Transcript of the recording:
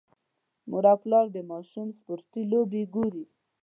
مور او پلار د ماشوم سپورتي لوبې ګوري.